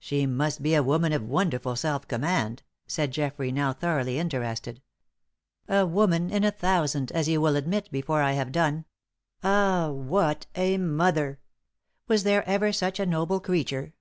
"She must be a woman of wonderful self command," said Geoffrey, now thoroughly interested. "A woman in a thousand, as you will admit before I have done. Ah, what a mother! Was there ever such a noble creature?